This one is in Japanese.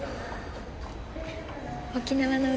沖縄の海